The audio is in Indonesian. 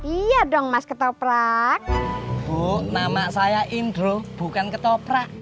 iya dong mas ketoprak bu nama saya indro bukan ketoprak